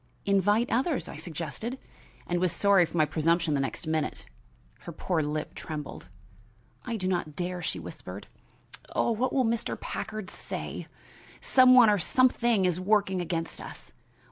"Invite others," I suggested, and was sorry for my presumption the next minute. Her poor lip trembled. "I do not dare," she whispered. "Oh, what will Mr. Packard say! Some one or something is working against us.